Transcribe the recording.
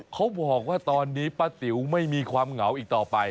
เขาบอกว่าตอนนี้ป้าติ๋วไม่มีความเหงาอีกต่อไป